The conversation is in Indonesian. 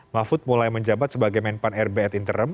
mahfud mulai menjabat sebagai men pan r b at interim